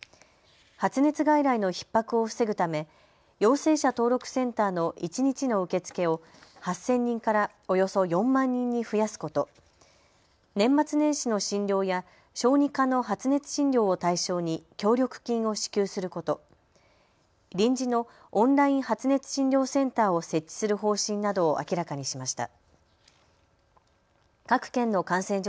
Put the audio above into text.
発熱外来のひっ迫を防ぐため陽性者登録センターの一日の受け付けを８０００人からおよそ４万人に増やすこと、年末年始の診療や小児科の発熱診療を対象に協力金を支給すること、臨時のオンライン発熱診療センターを設置する方針などを明らかにしました。